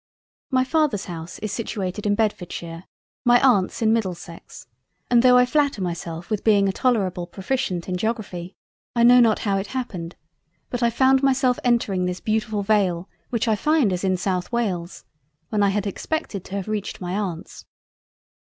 "My Father's house is situated in Bedfordshire, my Aunt's in Middlesex, and tho' I flatter myself with being a tolerable proficient in Geography, I know not how it happened, but I found myself entering this beautifull Vale which I find is in South Wales, when I had expected to have reached my Aunts."